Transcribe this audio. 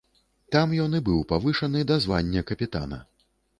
Там ён і быў павышаны да звання капітана.